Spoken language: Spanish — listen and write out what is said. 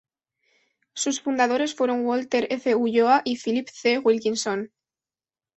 Sus fundadores fueron: Walter F. Ulloa y Philip C. Wilkinson.